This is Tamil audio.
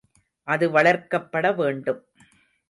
அது வளர்க்கப்பட வேண்டும்.